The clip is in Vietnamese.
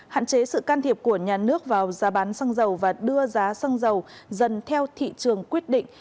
hạn chế sự can thiệp của nhà nước vào giá bán xăng dầu và đưa giá xăng dầu dần theo thị trường quyết định